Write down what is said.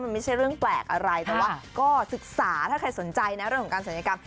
มันไม่ใช่เรื่องแปลกอะไรแต่ว่าก็ศึกษาถ้าใครสนใจนะเรื่องของการศัลยกรรม